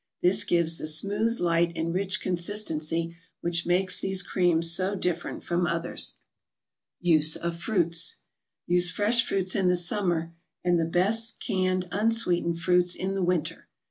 This gives the smooth, light and rich consistency which makes these creams so different from others. USE OF FRUITS Use fresh fruits in the summer and the best canned unsweetened fruits in the winter.